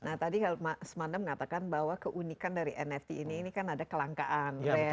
nah tadi mas manda mengatakan bahwa keunikan dari nft ini ini kan ada kelangkaan